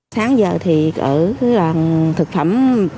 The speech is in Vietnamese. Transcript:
sáng giờ thì ở thực phẩm